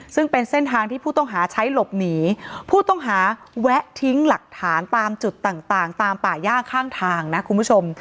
ซึ่งเป็นเส้นทางที่ผู้ต้องหาใช้หลบหนีผู้ต้องหาแวะทิ้งหลักฐานตามจุดต่างต่างตามป่าย่าข้างทางนะคุณผู้ชม